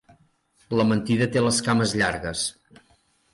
La mentida té les cames llargues.